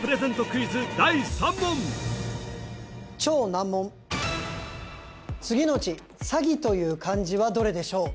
クイズ第３問次のうちサギという漢字はどれでしょう？